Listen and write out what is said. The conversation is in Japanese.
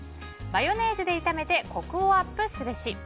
マヨネーズで炒めてコクをアップすべし。